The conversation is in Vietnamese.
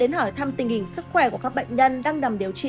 hỏi thăm tình hình sức khỏe của các bệnh nhân đang nằm điều trị